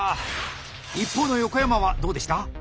一方の横山はどうでした？